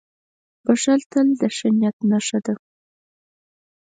• بښل تل د ښه نیت نښه ده.